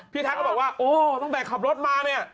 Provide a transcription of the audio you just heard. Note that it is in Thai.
แท็กก็บอกว่าโอ้ตั้งแต่ขับรถมาเนี่ย